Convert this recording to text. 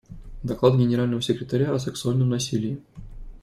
Доклад Генерального секретаря о сексуальном насилии.